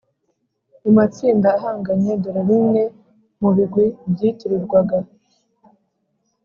Mu matsinda ahanganye dore bimwe mu bigwi byitirirwaga